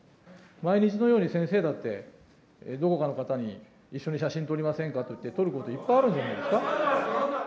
毎日のように、先生だって、どこかの方に一緒に写真撮りませんかといって撮ることいっぱいあるんじゃないですか。